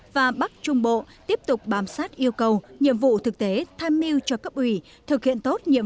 và bắc trung bộ tiếp tục bám sát yêu cầu nhiệm vụ thực tế tham mưu cho cấp ủy thực hiện tốt nhiệm